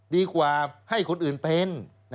ดีกว่าให้คนอื่นเป็น